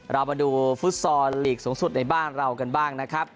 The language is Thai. เรามาดูฟุตซอลลีกสูงสุดในบ้านเรากันบ้างนะครับ